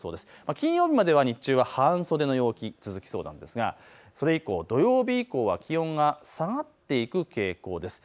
金曜日までは半袖の気温が続きそうですがそれ以降、土曜日以降は気温が下がっていく傾向です。